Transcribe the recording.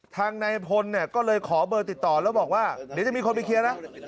ทางนายพลเนี่ยก็เลยขอเบอร์ติดต่อแล้วบอกว่าเดี๋ยวจะมีคนไปเคลียร์นะ